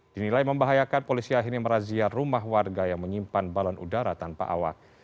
dinilai membahayakan polisi akhirnya merazia rumah warga yang menyimpan balon udara tanpa awak